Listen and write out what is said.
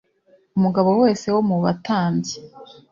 umugabo wese wo mu batambyi